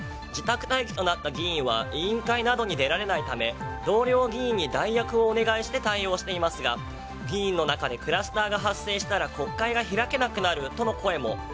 自宅待機となった議員は委員会などに出られないため同僚議員に代役をお願いして対応していますが議員の中でクラスターが発生したら国会が開けなくなるとの声も。